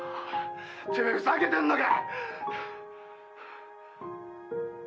てめぇふざけてんのか！